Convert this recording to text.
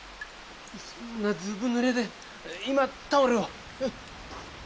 そんなずぶぬれで今タオルを。